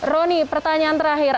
roni pertanyaan terakhir